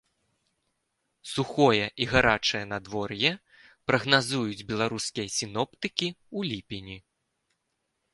Сухое і гарачае надвор'е прагназуюць беларускія сіноптыкі ў ліпені.